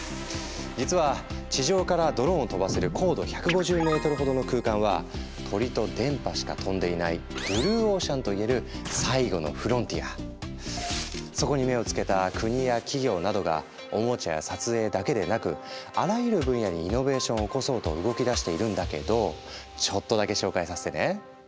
実は地上からドローンを飛ばせる高度１５０ｍほどの空間は鳥と電波しか飛んでいないブルーオーシャンといえるそこに目を付けた国や企業などがおもちゃや撮影だけでなくあらゆる分野にイノベーションを起こそうと動きだしているんだけどちょっとだけ紹介させてね。